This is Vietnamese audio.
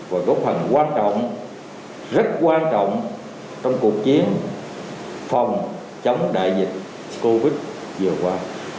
và góp phần quan trọng rất quan trọng trong cuộc chiến phòng chống đại dịch covid vừa qua